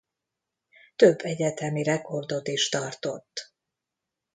Több egyetemi rekordot is tartott.